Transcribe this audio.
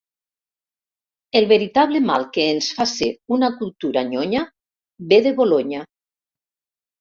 El veritable mal que ens fa ser una cultura nyonya ve de Bolonya.